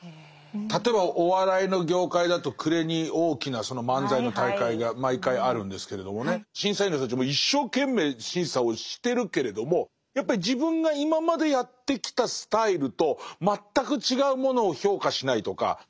例えばお笑いの業界だと暮れに大きなその漫才の大会が毎回あるんですけれどもね審査員の人たちも一生懸命審査をしてるけれどもやっぱり自分が今までやってきたスタイルと全く違うものを評価しないとか。